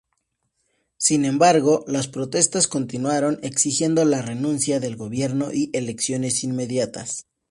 Sin embargo, las protestas continuaron, exigiendo la renuncia del gobierno y elecciones inmediatas.